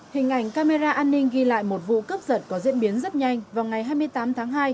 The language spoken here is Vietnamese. hình ảnh camera an ninh ghi lại một vụ cướp giật có diễn biến rất nhanh vào ngày hai mươi tám tháng hai